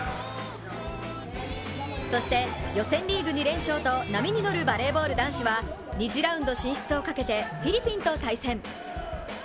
そして、予選リーグ２連勝と波に乗る男子バレーは２次ラウンド進出をかけてフィリピンと対戦。